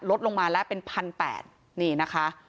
ลดลงมาแล้วเป็น๑๘๐๐นี่นะคะ